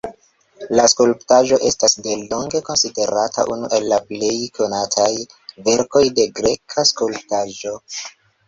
La skulptaĵo estas delonge konsiderata unu el la plej konataj verkoj de greka skulptaĵo.